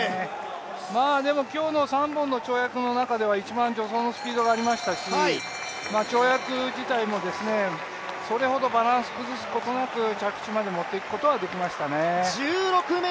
でも今日の３本の跳躍の中では一番助走のスピードがありましたし跳躍自体もそれほどバランスを崩すことなく着地まで持っていくことはできましたね。